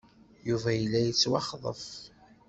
Yuba yella yettwaxḍef.